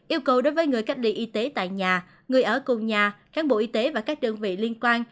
yêu cầu đối với người cách ly y tế tại nhà người ở cùng nhà kháng bộ y tế và các đơn vị liên quan